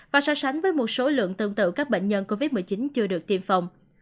và so sánh với một số lượng tương tự các bệnh nhân covid một mươi chín chưa được tiêm phòng